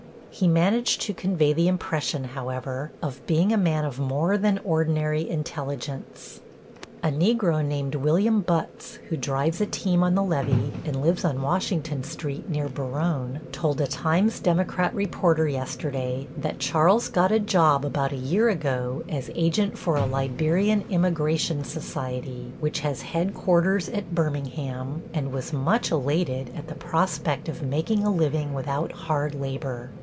He managed to convey the impression, however, of being a man of more than ordinary intelligence. A Negro named William Butts, who drives a team on the levee and lives on Washington Street, near Baronne, told a Times Democrat reporter yesterday that Charles got a job about a year ago as agent for a Liberian Immigration Society, which has headquarters at Birmingham, and was much elated at the prospect of making a living without hard labor.